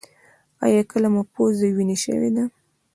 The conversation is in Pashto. ایا کله مو پوزه وینې شوې ده؟